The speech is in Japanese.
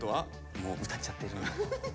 もう歌っちゃってるんで。